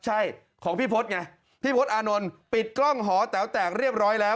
ใช่ของพี่พศไงพี่พศอานนท์ปิดกล้องหอแต๋วแตกเรียบร้อยแล้ว